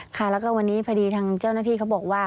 ค่ะแล้วก็วันนี้พอดีทางเจ้าหน้าที่เขาบอกว่า